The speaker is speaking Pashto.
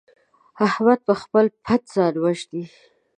احمد پر خپل پت ځان وژني.